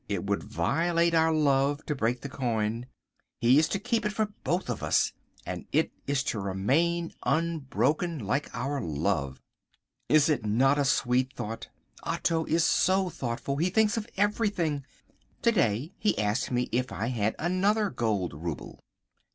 It would violate our love to break the coin. He is to keep it for both of us, and it is to remain unbroken like our love. Is it not a sweet thought? Otto is so thoughtful. He thinks of everything. To day he asked me if I had another gold rouble.